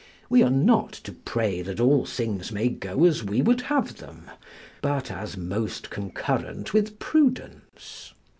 We are not to pray that all things may go as we would have them, but as most concurrent with prudence.